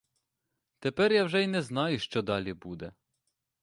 Тепер я вже й не знаю, що далі буде.